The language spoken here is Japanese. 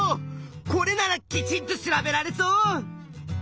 これならきちんと調べられそう！